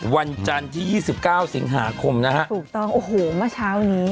วันจันทร์ที่ยี่สิบเก้าสิงหาคมนะฮะถูกต้องโอ้โหเมื่อเช้านี้